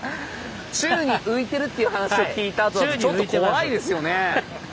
宙に浮いてるっていう話を聞いたあとだとちょっと怖いですよね。